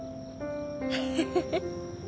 フフフ。